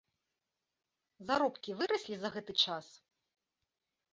Заробкі выраслі за гэты час?